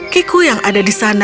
kiku yang ada di sana